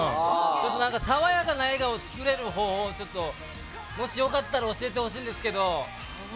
爽やかな笑顔をつくる方法をもしよかったら教えてほしいんですけど。